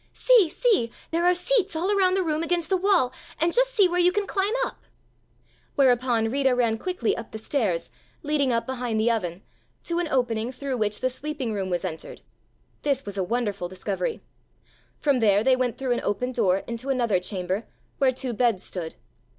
"See, see, there are seats all around the room against the wall, and just see where you can climb up." Whereupon Rita ran quickly up the stairs, leading up behind the oven, to an opening through which the sleeping room was entered. This was a wonderful discovery! From there they went through an open door into another chamber, where two beds stood.